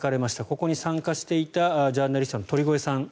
ここに参加していたジャーナリストの鳥越さん。